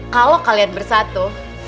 kalau kalian bersatu